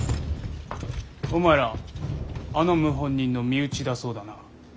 お前らあの謀反人の身内だそうだな。